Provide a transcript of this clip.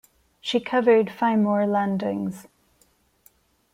She covered five more landings.